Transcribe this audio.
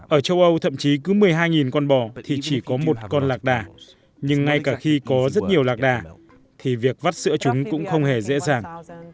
ở châu âu thậm chí cứ một mươi hai con bò thì chỉ có một con lạc đà nhưng ngay cả khi có rất nhiều lạc đà thì việc vắt sữa chúng cũng không hề dễ dàng